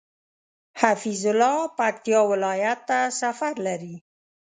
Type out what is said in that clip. حفيظ الله پکتيا ولايت ته سفر لري